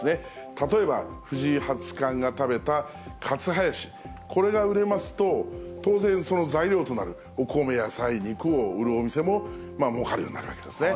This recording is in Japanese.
例えば藤井八冠が食べたカツハヤシ、これが売れますと、当然、その材料となるお米、野菜、肉を売るお店ももうかるようになるわけですね。